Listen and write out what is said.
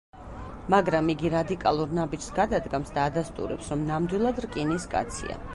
მაგრამ იგი რადიკალურ ნაბიჯს გადადგამს და ადასტურებს, რომ ნამდვილად რკინის კაცია.